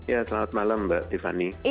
ya selamat malam mbak tiffany